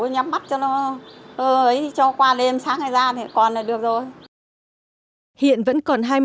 nhắm mắt cho nó ơ ấy cho qua đêm sáng hay ra thì còn là được rồi